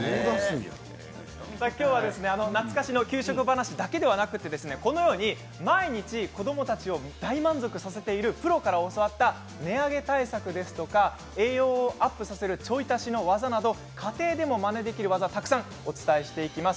今日は懐かしの給食話だけではなくこのように毎日、子どもたちを大満足させているプロから教わった値上げ対策や栄養アップのちょい足しワザなど家庭でも、まねできるワザをお伝えしていきます。